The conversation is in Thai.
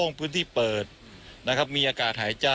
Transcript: คุณทัศนาควดทองเลยค่ะ